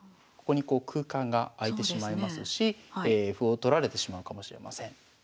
ここにこう空間が空いてしまいますし歩を取られてしまうかもしれません。